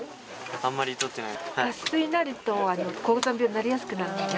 あんまりとってない。